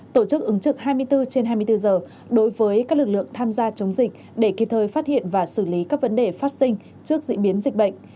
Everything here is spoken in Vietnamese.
tổ chức ứng trực hai mươi bốn trên hai mươi bốn giờ đối với các lực lượng tham gia chống dịch để kịp thời phát hiện và xử lý các vấn đề phát sinh trước diễn biến dịch bệnh